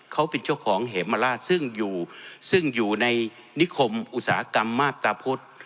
เขาเป็นเจ้าของเหมราชซึ่งอยู่ซึ่งอยู่ในนิคมอุตสาหกรรมมาบตาพุทธ